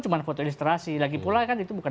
cuma foto ilustrasi lagi pula kan itu bukan